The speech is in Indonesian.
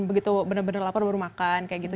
begitu benar benar lapar baru makan kayak gitu